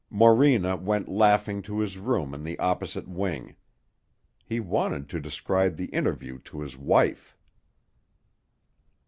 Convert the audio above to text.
Morena went laughing to his room in the opposite wing. He wanted to describe the interview to his wife.